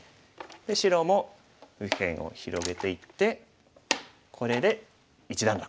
白も右辺を広げていってこれで一段落。